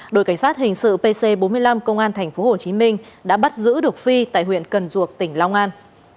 đội cảnh sát hình sự pc bốn mươi năm công an tp hcm đã bắt giữ được phi tại huyện cần duộc tỉnh long an